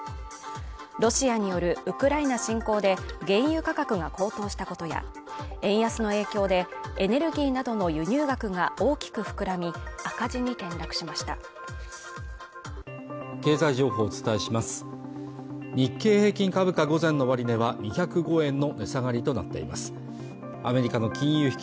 ロシアによるウクライナ侵攻で原油価格が高騰したことや円安の影響でエネルギーなどの輸入額が大きく膨らみ赤字に転落しましたパパ、グローブ買ったの？